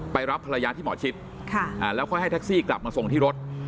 รับภรรยาที่หมอชิดแล้วค่อยให้แท็กซี่กลับมาส่งที่รถ